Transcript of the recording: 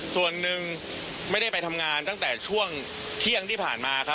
ส่วนหนึ่งไม่ได้ไปทำงานตั้งแต่ช่วงเที่ยงที่ผ่านมาครับ